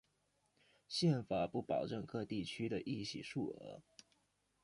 宪法不保证各地区的议席数额。